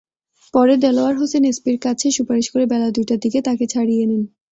পরে দেলোয়ার হোসেন এসপির কাছে সুপারিশ করে বেলা দুইটার দিকে তাঁকে ছাড়িয়ে নেন।